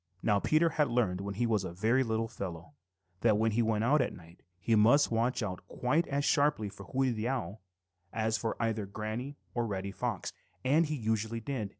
Now Peter had learned when he was a very little fellow that when he went out at night, he must watch out quite as sharply for Hooty the Owl as for either Granny or Reddy Fox, and usually he did.